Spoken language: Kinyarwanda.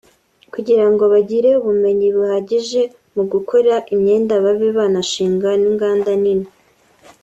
kugira ngo bagire ubumenyi buhagije mu gukora imyenda babe banashinga n’inganda nini